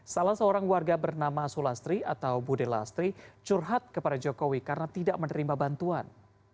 salah seorang warga bernama sulastri atau budelastri curhat kepada jokowi karena tidak menerima bantuan